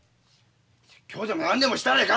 説教でも何でもしたらえ